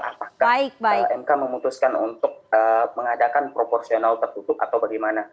mbak mka memutuskan untuk mengadakan proporsional tertutup atau bagaimana